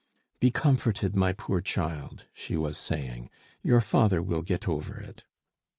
"Be comforted, my poor child," she was saying; "your father will get over it."